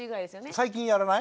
最近やらない？